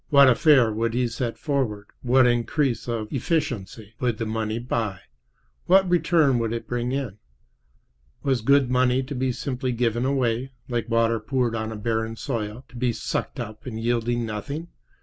What affair would be set forward, what increase of efficiency would the money buy, what return would it bring in? Was good money to be simply given away, like water poured on a barren soil, to be sucked up and yield nothing?